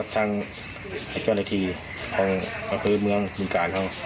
ทั้งโฮทเข้าหน้าที่ที่เมืองการ